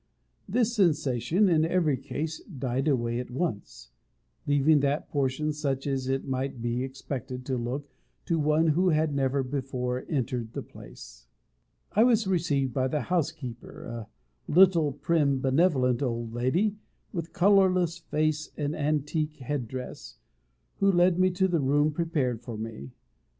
This sensation, in every case, died away at once, leaving that portion such as it might be expected to look to one who had never before entered the place. I was received by the housekeeper, a little, prim, benevolent old lady, with colourless face and antique head dress, who led me to the room prepared for me.